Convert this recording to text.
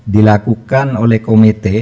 dilakukan oleh komite